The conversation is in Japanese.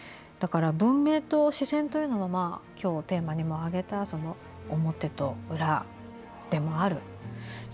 だから文明と自然というのは今日、テーマにも挙げた「表と裏」でもある。